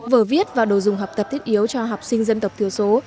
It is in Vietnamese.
vở viết và đồ dùng học tập thiết yếu cho học sinh dân tộc thiểu số